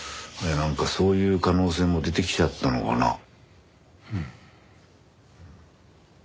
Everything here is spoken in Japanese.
なんかそういう可能性も出てきちゃったのかな。